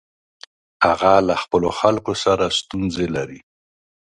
هغه له خپلو خلکو سره ستونزې لري.